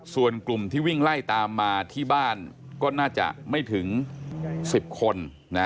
ส่วนกลุ่มที่วิ่งไล่ตามมาที่บ้านก็น่าจะไม่ถึง๑๐คน